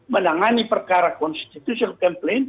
menangani perkara konstitusional